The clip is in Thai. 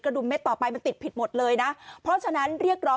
ดุมเม็ดต่อไปมันติดผิดหมดเลยนะเพราะฉะนั้นเรียกร้อง